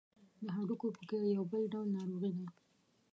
د هډوکو پوکی یو بل ډول ناروغي ده.